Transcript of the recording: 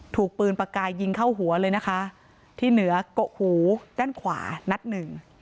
ถูกปืนปากกายยิงเข้าหัวเลยนะคะที่เหนือกกหูด้านขวานัดหนึ่ง